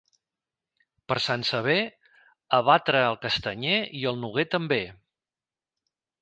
Per Sant Sever, a batre el castanyer i el noguer també.